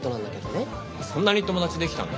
そんなに友達できたの？